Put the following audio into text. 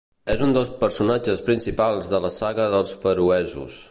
És un dels personatges principals de la Saga dels feroesos.